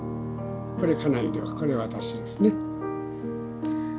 これ家内でこれ私ですね。